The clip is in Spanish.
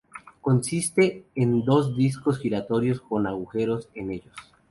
Consiste en dos discos giratorios con agujeros en ellos.